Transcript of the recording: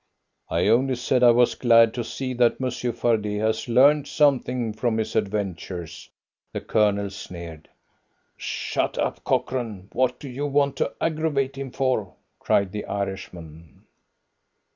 "I only said I was glad to see that Monsieur Fardet has learned something from his adventures," the Colonel sneered. "Shut up, Cochrane! What do you want to aggravate him for?" cried the Irishman.